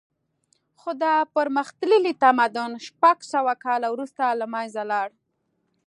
خو دا پرمختللی تمدن شپږ سوه کاله وروسته له منځه لاړ